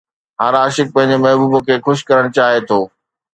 هر عاشق پنهنجي محبوب کي خوش ڪرڻ چاهي ٿو